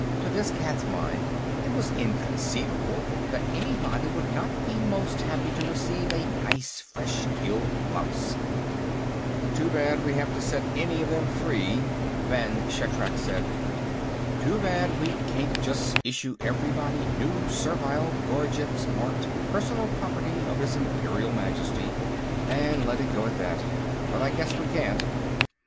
To this cat's mind, it was inconceivable that anybody would not be most happy to receive a nice fresh killed mouse. "Too bad we have to set any of them free," Vann Shatrak said. "Too bad we can't just issue everybody new servile gorgets marked, Personal Property of his Imperial Majesty and let it go at that. But I guess we can't."